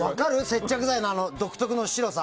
接着剤の独特な白さ。